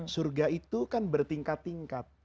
surga itu kan bertingkat tingkat